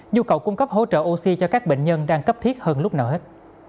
nhu cầu cung cấp hỗ trợ oxy cho các bệnh nhân đang cấp thiết hơn lúc nào hết